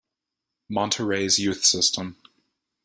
Monterrey's youth system.